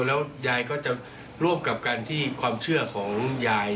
แล้วยายก็จะร่วมกับการที่ความเชื่อของยาย